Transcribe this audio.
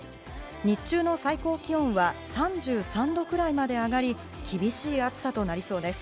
日中の最高気温は３３度くらいまで上がり、厳しい暑さとなりそうです。